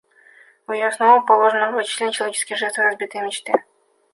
В ее основу положены многочисленные человеческие жертвы и разбитые мечты.